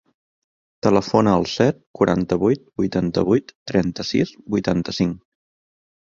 Telefona al set, quaranta-vuit, vuitanta-vuit, trenta-sis, vuitanta-cinc.